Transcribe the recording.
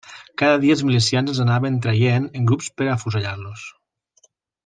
Cada dia els milicians els anaven traient en grups per a afusellar-los.